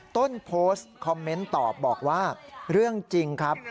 ต้นโพสต์คอมเมนต์ตอบบอกว่าเรื่องจริงครับ